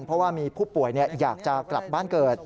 เพราะว่ามีผู้ป่วยอยากจะกลับบ้านเกิด